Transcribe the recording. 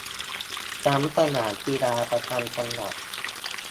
ทั้งสนามกีฬาประจำจังหวัด